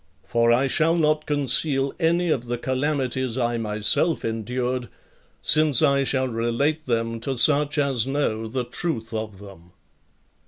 For I shall not conceal any of the calamities I myself endured, since I shall relate them to such as know the truth of them.